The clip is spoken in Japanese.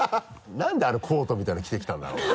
何であれコートみたいなの着てきたんだろうな？